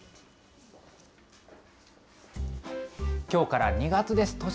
きょうから２月です。